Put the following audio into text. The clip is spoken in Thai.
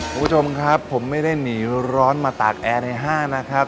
คุณผู้ชมครับผมไม่ได้หนีร้อนมาตากแอร์ในห้างนะครับ